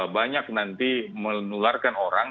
banyak nanti menularkan orang